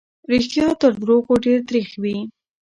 رښتيا تر دروغو ډېر تريخ وي.